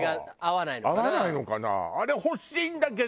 合わないのかな？